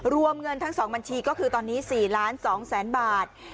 รวมเงินทั้ง๒บัญชีก็คือตอนนี้๔๒๐๐๐๐บาท